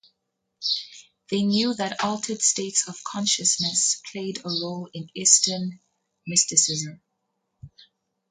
They knew that altered states of consciousness played a role in Eastern Mysticism.